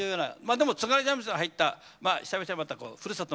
でも津軽三味線が入ったまあ久々にまたこうふるさとのね